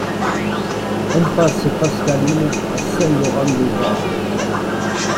Impasse Pascaline à Saint-Laurent-des-Arbres